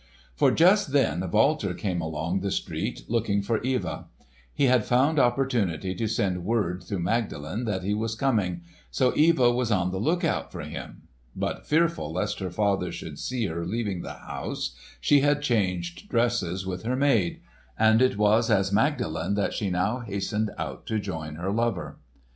For just then Walter came along the street looking for Eva. He had found opportunity to send word through Magdalen that he was coming, so Eva was on the lookout for him. But fearful lest her father should see her leaving the house, she had changed dresses with her maid; and it was as Magdalen that she now hastened out to join her lover.